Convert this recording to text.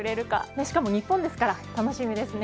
しかも日本ですから楽しみですね。